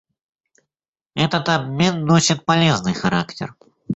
Этот обмен носит полезный характер.